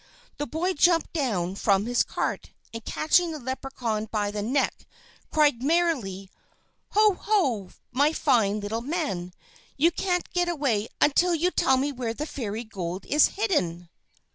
The boy jumped down from his cart, and catching the Leprechaun by the neck, cried merrily: "Ho! Ho! My fine little man, you can't get away until you tell me where the Fairy Gold is hidden!"